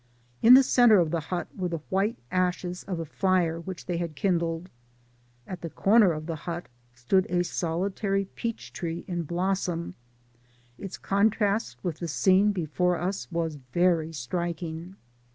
In the centre of the hut were the white ashes of a fire which they had kindled — ^at the comer of the hut stood a solitary peaph tree in blossom — ^its contrast with the scene before us was very striking.